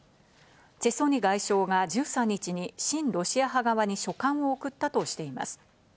チェ・ソニ外相が１３日に親ロシア派側に書簡を送ったとしています。